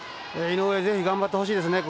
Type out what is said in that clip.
井上、ぜひ頑張ってほしいですね。